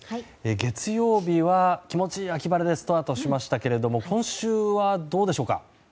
月曜日は気持ちいい秋晴れでスタートしましたけど今週はどうでしょうか？